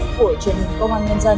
của truyền hình công an nhân dân